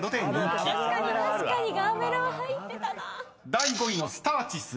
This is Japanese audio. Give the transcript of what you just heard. ［第５位の「スターチス」